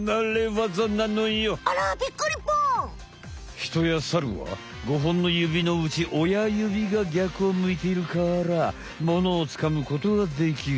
ヒトやサルは５本のゆびのうちおやゆびがぎゃくをむいているからモノをつかむことができる。